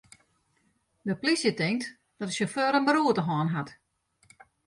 De polysje tinkt dat de sjauffeur in beroerte hân hat.